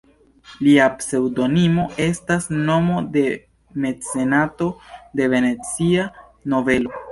Lia pseŭdonimo estas nomo de mecenato, de Venecia nobelo.